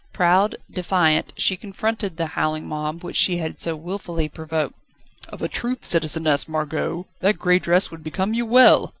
Proud, defiant, she confronted the howling mob, which she had so wilfully provoked. "Of a truth, Citizeness Margot, that grey dress would become you well!"